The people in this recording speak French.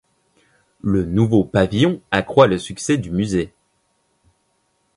Le nouveau pavillon accroît le succès du musée.